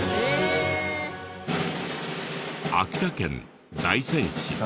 秋田県大仙市。